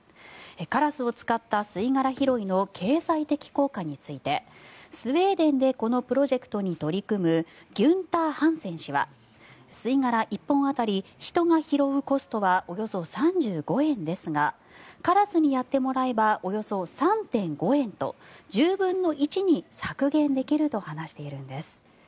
カラスを使った吸い殻拾いの経済的効果についてスウェーデンでこのプロジェクトに取り組むギュンター・ハンセン氏は吸い殻１本当たり人が拾うコストはおよそ３５円ですがカラスにやってもらえばおよそ３．５円と１０分の１に削減できると話しているんです。